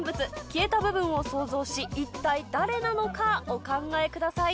消えた部分を想像し一体誰なのかお考えください。